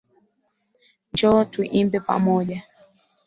Njoo tuimbe pamoja